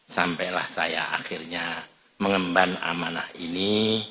sampailah saya akhirnya mengemban amanah ini